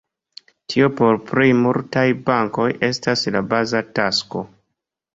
Tio por plej multaj bankoj estas la baza tasko.